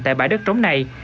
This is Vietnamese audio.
tại bãi đất trống này